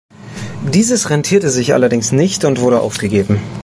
Dieses rentierte sich allerdings nicht und wurde aufgegeben.